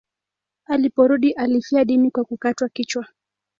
Aliporudi alifia dini kwa kukatwa kichwa.